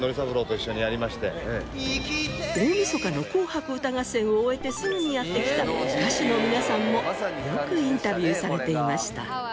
大晦日の『紅白歌合戦』を終えてすぐにやって来た歌手の皆さんもよくインタビューされていました。